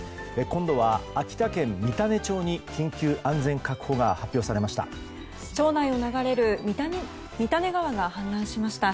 今度は秋田県三種町に緊急安全確保が発表されました。